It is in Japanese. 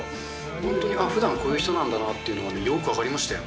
本当のふだんこういう人なんだなっていうのが、よく分かりましたよ。